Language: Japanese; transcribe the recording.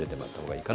はい。